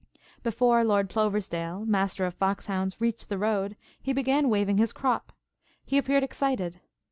Before Lord Ploversdale, Master of Fox hounds, reached the road, he began waving his crop. He appeared excited.